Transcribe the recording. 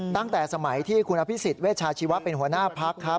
ตั้งแต่สมัยที่คุณอภิษฎเวชาชีวะเป็นหัวหน้าพักครับ